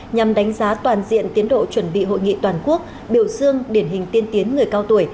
nhằm đánh giá toàn diện tiến độ chuẩn bị hội nghị toàn quốc biểu dương điển hình tiên tiến người cao tuổi